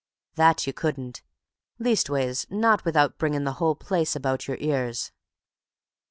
"That you couldn't; leastways, not without bringing the whole place about your ears."